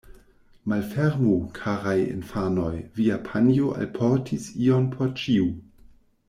Malfermu, karaj infanoj, via panjo alportis ion por ĉiu.